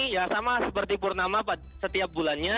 ya sama seperti purnama setiap bulannya